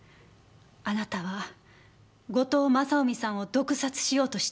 あなたは後藤勝臣さんを毒殺しようとしていた。